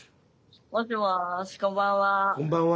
もしもしこんばんは。